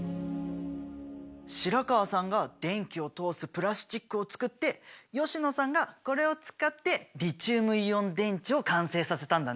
白川さんが電気を通すプラスチックを作って吉野さんがこれを使ってリチウムイオン電池を完成させたんだね。